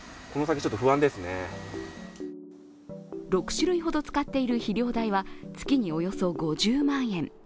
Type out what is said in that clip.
６種類ほど使っている肥料代は月におよそ５０万円。